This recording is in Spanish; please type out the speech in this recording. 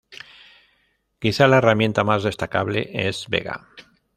Quizá la herramienta más destacable es Vega.